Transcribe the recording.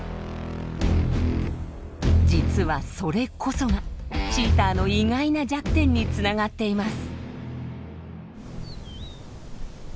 実はそれこそがチーターの意外な弱点につながっています。